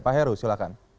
pak heru silakan